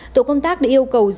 tổ công tác đã yêu cầu dừng